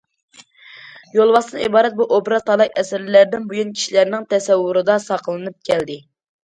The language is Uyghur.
يولۋاستىن ئىبارەت بۇ ئوبراز تالاي ئەسىرلەردىن بۇيان كىشىلەرنىڭ تەسەۋۋۇرىدا ساقلىنىپ كەلدى.